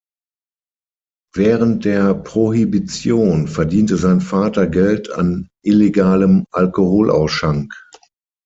Während der Prohibition verdiente sein Vater Geld an illegalem Alkoholausschank.